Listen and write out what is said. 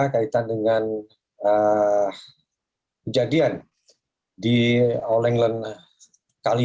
kaitan dengan kejadian di all england california